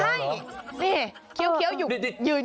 นี่เคี้ยวยืน